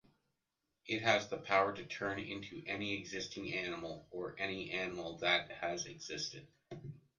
It has the power to turn into any existing animal or any animal that has existed.